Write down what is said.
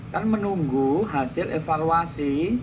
kan menunggu hasil evaluasi